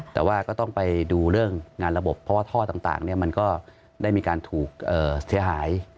แต่ว่าก็ต้องไปดูเรื่องงานระบบเพราะว่าท่อต่างมันก็ได้มีการถูกเสียหาย